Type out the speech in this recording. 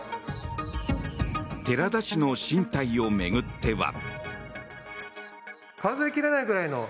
寺田氏の進退を巡っては。